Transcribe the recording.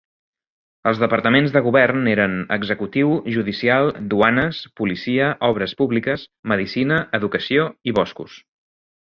Els departaments de govern eren: executiu, judicial, duanes, policia, obres públiques, medicina, educació i boscos.